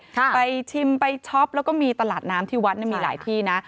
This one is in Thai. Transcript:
ไปชิมไปช็อปแล้วก็มีตลาดน้ำที่วัดเนี่ยมีหลายที่นะ